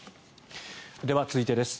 では続いてです。